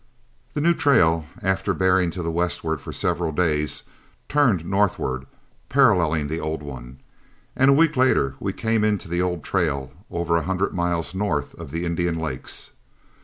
The new trail, after bearing to the westward for several days, turned northward, paralleling the old one, and a week later we came into the old trail over a hundred miles north of the Indian Lakes.